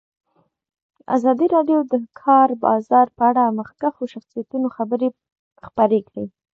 ازادي راډیو د د کار بازار په اړه د مخکښو شخصیتونو خبرې خپرې کړي.